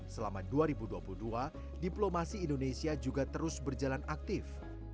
selama dua ribu dua puluh dua diplomasi indonesia juga terus berjalan aktif